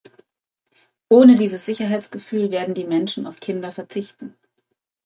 Ohne dieses Sicherheitsgefühl werden die Menschen auf Kinder verzichten.